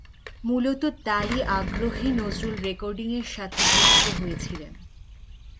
মূলত তারই আগ্রহে নজরুল রেকর্ডিংয়ের সাথে যুক্ত হয়েছিলেন।